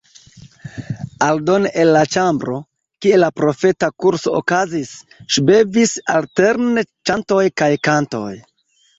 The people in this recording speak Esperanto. Aldone el la ĉambro, kie la profeta kurso okazis, ŝvebis alterne ĉantoj kaj kantoj.